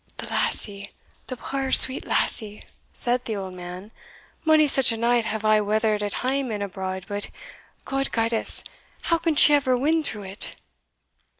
"The lassie! the puir sweet, lassie!" said the old man: "mony such a night have I weathered at hame and abroad, but, God guide us, how can she ever win through it!"